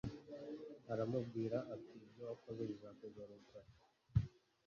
aramubwira ati ibyo wakoze bizakugaruke